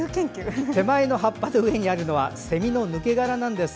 手前の葉っぱの上にあるのはセミの抜け殻です。